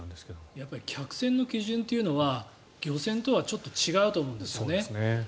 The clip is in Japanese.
やっぱり客船の基準というのは漁船とはちょっと違うと思うんですね。